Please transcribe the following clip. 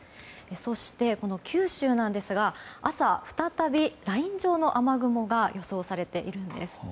そして、九州なんですが朝、再びライン状の雨雲が予想されているんです。